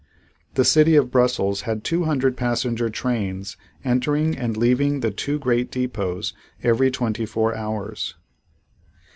The city of Brussels had two hundred passenger trains entering and leaving the two great depots every twenty four hours.